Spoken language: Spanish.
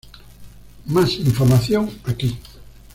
Más información aquí